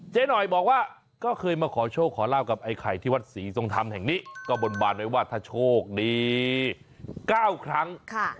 หน่อยบอกว่าก็เคยมาขอโชคขอลาบกับไอ้ไข่ที่วัดศรีทรงธรรมแห่งนี้ก็บนบานไว้ว่าถ้าโชคดี๙ครั้ง